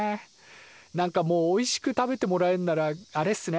なんかもうおいしく食べてもらえんならあれっすね